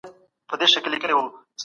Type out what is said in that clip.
په وینا کې اغېز نه احساسېده.